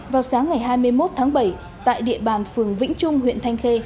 vào sáng ngày hai mươi một tháng bảy tại địa bàn phường vĩnh trung huyện thanh khê